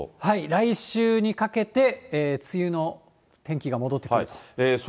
来週にかけて、梅雨の天気が戻ってくると。